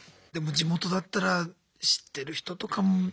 でも地元だったら知ってる人とかも。